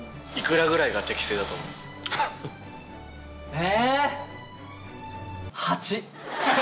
え？